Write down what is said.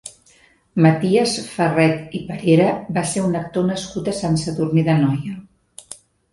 Matias Ferret i Parera va ser un actor nascut a Sant Sadurní d'Anoia.